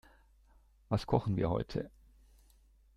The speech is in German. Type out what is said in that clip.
Was kochen wir heute?